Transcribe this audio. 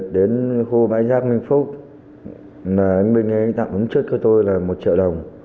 đến khu bãi giác minh phúc anh bình ấy tặng hứng chất cho tôi là một triệu đồng